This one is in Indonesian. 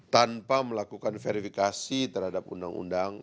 tanpa melakukan verifikasi terhadap undang undang